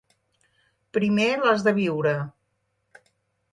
Primer l'has de viure.